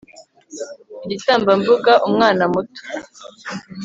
igitambambuga umwana muto